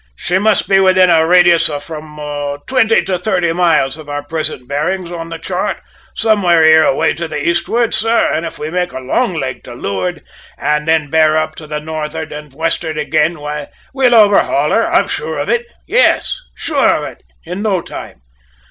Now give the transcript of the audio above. She must be within a radius of from twenty to thirty miles of our present bearings on the chart, somewhere here away to the eastwards, sir; and if we make a long leg to leeward and then bear up to the north'ard and west'ard again, we'll overhaul her I'm sure of it yes, sure of it, in no time.